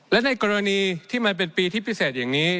และในกรณีที่มันเป็นปีที่พิเศษอย่างนี้